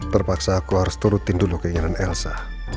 terpaksa aku harus turutin dulu ke inginan elsa